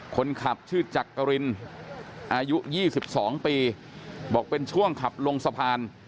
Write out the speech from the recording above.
คนขับชื่อจักรินอายุ๒๒ปีบอกเป็นช่วงขับลงสะพาน